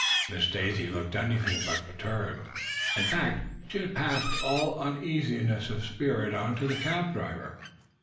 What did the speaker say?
Miss Daisy looked anything but perturbed. In fact, she had passed all uneasiness of spirit on to the cab driver.